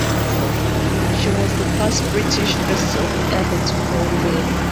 She was the first British vessel ever to call there.